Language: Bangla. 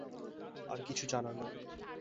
আর কিছু জানার নেই।